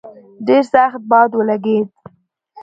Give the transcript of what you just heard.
ډېر سخت باد ولګېد.